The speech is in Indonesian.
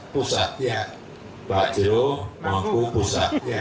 panggilannya jero mangku pusat